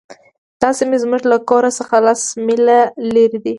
دا سیمې زموږ له کور څخه لس میله لرې وې